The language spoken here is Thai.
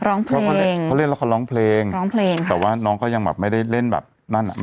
ร้องเพลงเพราะเล่นละครร้องเพลงแต่ว่าน้องก็ยังไม่ได้เล่นแบบนั้น